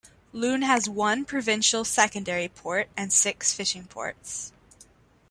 Loon has one provincial secondary port and six fishing ports.